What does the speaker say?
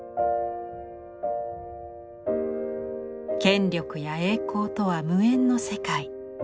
権力や栄光とは無縁の世界。